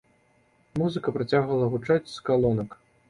Музыка працягвала гучаць з калонак.